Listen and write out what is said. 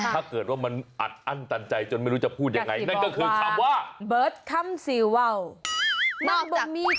ถ้าเกิดว่ามันอัดอั้นตานใจจนไม่รู้จะพูดยังไง